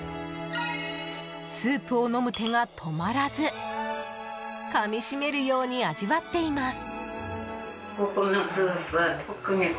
スープを飲む手が止まらずかみしめるように味わっています。